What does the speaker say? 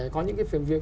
có những cái việc